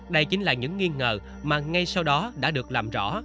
đây chính là những nghi ngờ mà ngay sau đó đã được làm rõ